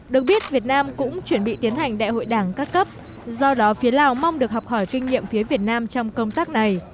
được biết việt nam cũng chuẩn bị tiến hành đại hội đảng các cấp do đó phía lào mong được học hỏi kinh nghiệm phía việt nam trong công tác này